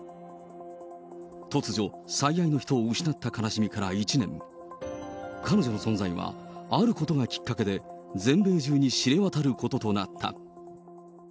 突如、最愛の人を失った悲しみから１年、彼女の存在はあることがきっかけで、全米中に知れ渡ることとなった。